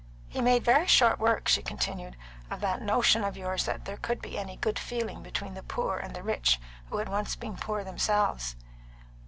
"He made very short work," she continued, "of that notion of yours that there could be any good feeling between the poor and the rich who had once been poor themselves."